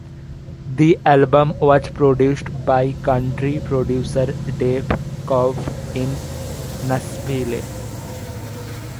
The album was produced by country producer Dave Cobb in Nashville.